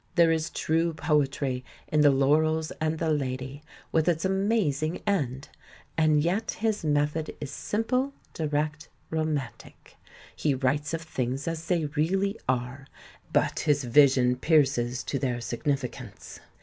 There is true poetry in The Laurels and the Lady with its amazing end. And yet his method is simple, direct, romantic. He writes of things as they really are, but his vision pierces to their significance.